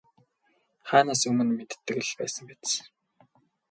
Хаанаас өмнө мэддэг л байсан биз.